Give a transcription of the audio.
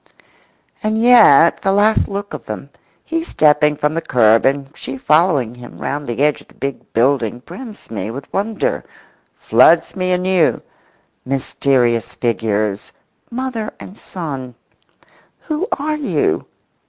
And yet the last look of them—he stepping from the kerb and she following him round the edge of the big building brims me with wonder—floods me anew. Mysterious figures! Mother and son. Who are you?